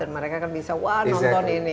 dan mereka bisa wah nonton ini